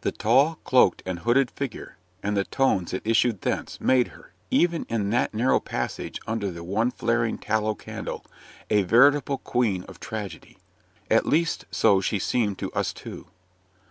The tall, cloaked, and hooded figure, and the tones that issued thence, made her, even in that narrow passage, under the one flaring tallow candle, a veritable Queen of tragedy at least so she seemed to us two.